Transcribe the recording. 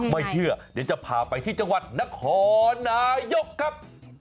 ไม่เชื่อเดี๋ยวจะพาไปที่จังหวัดนครนายกครับ